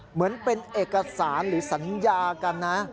เหมือนเป็นเอกสารหรือสัญญากันนะ